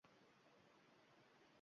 Indamay ichkariga kirib keldi.